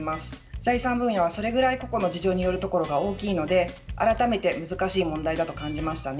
財産分与はそれぐらい個々の事情によるところが大きいので改めて難しい問題だと感じましたね。